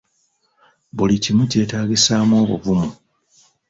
Buli kimu kyetaagisaamu obuvumu.